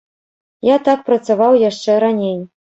Я так працаваў яшчэ раней.